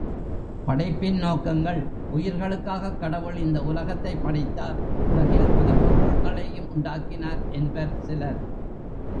படைப்பின் நோக்கங்கள் உயிர்களுக்காகக் கடவுள் இந்த உலகத்தைப் படைத்தார் உலகில் பல பொருள்களையும் உண்டாக்கினார் என்பர் சிலர்.